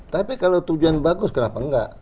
tapi kalau tujuan bagus kenapa enggak